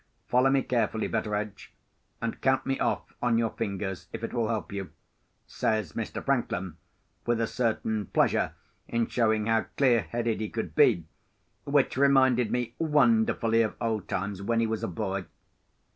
Follow me carefully, Betteredge; and count me off on your fingers, if it will help you," says Mr. Franklin, with a certain pleasure in showing how clear headed he could be, which reminded me wonderfully of old times when he was a boy.